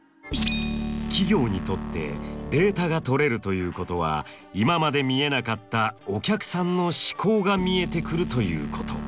企業にとってデータが取れるということは今まで見えなかったお客さんの思考が見えてくるということ。